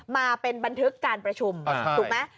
มาเป็นบันทึกการประชุมถูกไหม